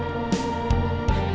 jangan lupa untuk mencoba